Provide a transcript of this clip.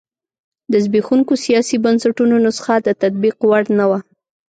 د زبېښونکو سیاسي بنسټونو نسخه د تطبیق وړ نه وه.